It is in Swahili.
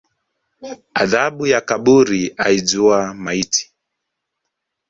Adhabu ya kaburi aijua maiti